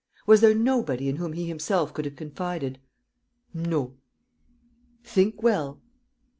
Was there nobody in whom he himself could have confided?" "No." "Think well."